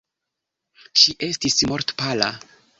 Ŝi estis mortpala.